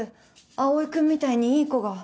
葵君みたいにいい子が